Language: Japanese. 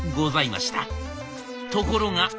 ところが。